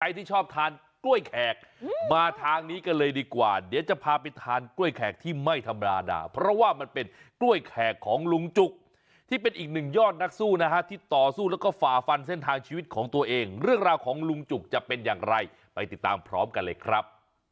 ที่ชอบทานกล้วยแขกมาทางนี้กันเลยดีกว่าเดี๋ยวจะพาไปทานกล้วยแขกที่ไม่ธรรมดาเพราะว่ามันเป็นกล้วยแขกของลุงจุกที่เป็นอีกหนึ่งยอดนักสู้นะฮะที่ต่อสู้แล้วก็ฝ่าฟันเส้นทางชีวิตของตัวเองเรื่องราวของลุงจุกจะเป็นอย่างไรไปติดตามพร้อมกันเลยครับ